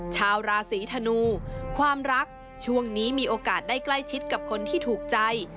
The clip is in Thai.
ชาวราศีธนูความรักช่วงนี้มีโอกาสได้ใกล้ชิดกับคนที่ถูกใจ